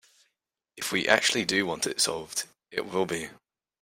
If we actually do want it solved, it will be.